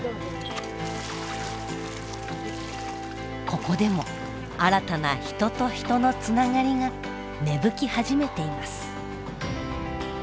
ここでも新たな人と人のつながりが芽吹き始めています。